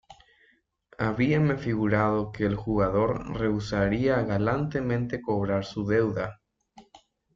habíame figurado que el jugador rehusaría galantemente cobrar su deuda